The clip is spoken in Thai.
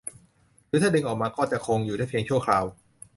หรือถ้าดึงออกมาก็จะคงอยู่ได้เพียงชั่วคราว